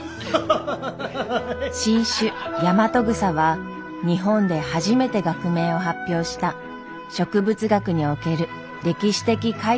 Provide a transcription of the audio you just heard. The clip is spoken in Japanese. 新種ヤマトグサは日本で初めて学名を発表した植物学における歴史的快挙となりました。